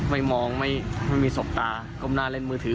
มองไม่มีสบตาก้มหน้าเล่นมือถือ